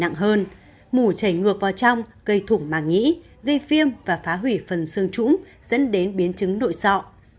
nặng hơn mủ chảy ngược vào trong gây thủng màng nhĩ gây viêm và phá hủy phần xương trũng dẫn đến biến chứng nội dọ